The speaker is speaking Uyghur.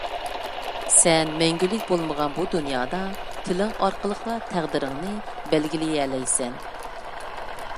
سەن مەڭگۈلۈك بولمىغان بۇ دۇنيادا تىلىڭ ئارقىلىقلا تەقدىرىڭنى بەلگىلىيەلەيسەن.